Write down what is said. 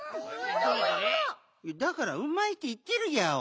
だからうまいっていってるギャオ。